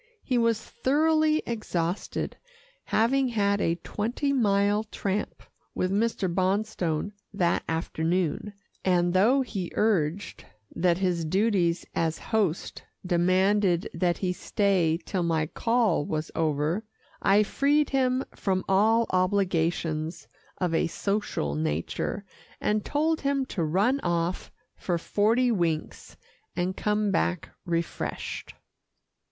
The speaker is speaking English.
He was thoroughly exhausted, having had a twenty mile tramp with Mr. Bonstone that afternoon, and though he urged that his duties as host demanded that he stay till my call was over, I freed him from all obligations of a social nature, and told him to run off for forty winks, and come back refreshed.